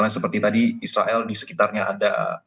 seperti tadi israel di sekitarnya ada